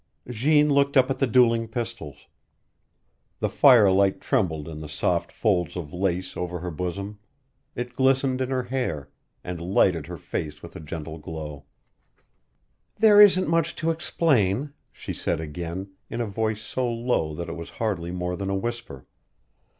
Jeanne looked up at the dueling pistols. The firelight trembled in the soft folds of lace over her bosom; it glistened in her hair, and lighted her face with a gentle glow. "There isn't much to explain," she said again, in a voice so low that it was hardly more than a whisper.